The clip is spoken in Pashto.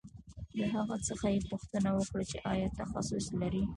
له هغه څخه یې پوښتنه وکړه چې آیا تخصص لرې